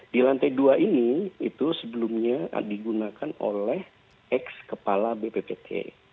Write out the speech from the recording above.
di lantai dua ini itu sebelumnya digunakan oleh ex kepala bppt